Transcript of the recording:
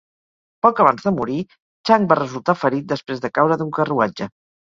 Poc abans de morir, Chang va resultar ferit després de caure d'un carruatge.